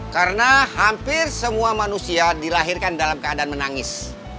karena hampir semua manusia dilahirkan dalam keadaan menangis